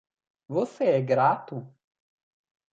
Você é grato?